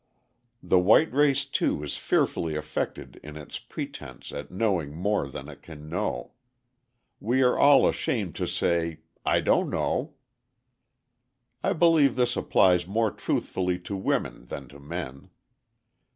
The white race, too, is fearfully affected in its pretense at knowing more than it can know. We are all ashamed to say, "I don't know!" I believe this applies more truthfully to women than to men.